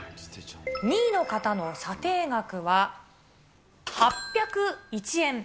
２位の方の査定額は、８０１円。